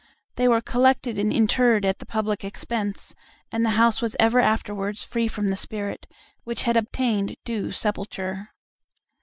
They were collected and interred at the public expense, and the house was ever afterwards free from the spirit, which had obtained due sepulture.